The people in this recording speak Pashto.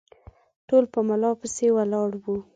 ټول په ملا پسې ولاړ وه